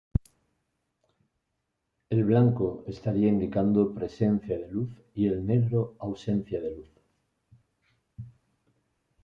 El blanco estaría indicando presencia de luz y el negro ausencia de luz.